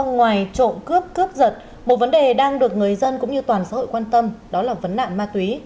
ngoài trộm cướp cướp giật một vấn đề đang được người dân cũng như toàn xã hội quan tâm đó là vấn nạn ma túy